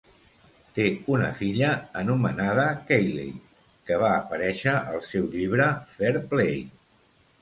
Té una filla, anomenada Cayley, que va aparèixer al seu llibre "Fair Play".